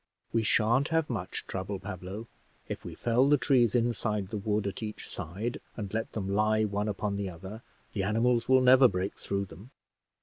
"We shan't have much trouble, Pablo; if we fell the trees inside the wood at each side, and let them lie one upon the other, the animals will never break through them."